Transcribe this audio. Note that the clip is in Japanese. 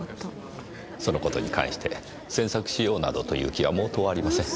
その事に関して詮索しようなどという気は毛頭ありません。